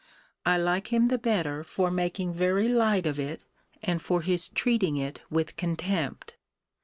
I like him the better for making very light of it, and for his treating it with contempt.